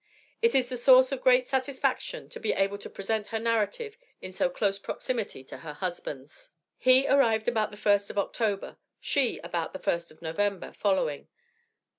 It is a source of great satisfaction to be able to present her narrative in so close proximity to her husband's. He arrived about the first of October she about the first of November, following.